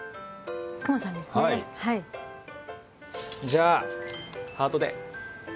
じゃあハートで。